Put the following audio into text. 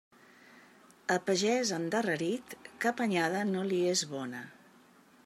A pagès endarrerit, cap anyada no li és bona.